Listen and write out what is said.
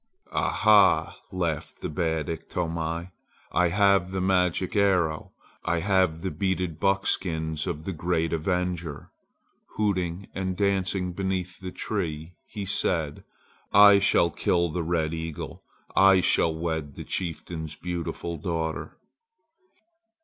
"Ah! ha!" laughed the bad Iktomi. "I have the magic arrow! I have the beaded buckskins of the great avenger!" Hooting and dancing beneath the tree, he said: "I shall kill the red eagle; I shall wed the chieftain's beautiful daughter!"